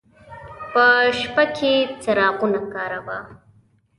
په شپه کې څراغونه کاروه.